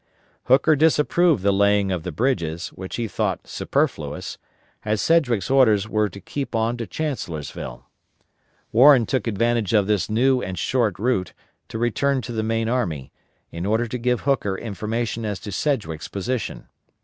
Hooker disapproved the laying of the bridges, which he thought superfluous, as Sedgwick's orders were to keep on to Chancellorsville. Warren took advantage of this new and short route to return to the main army, in order to give Hooker information as to Sedgwick's position.